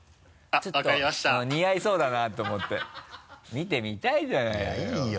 ちょっと似合いそうだなと思って見てみたいじゃないのよ。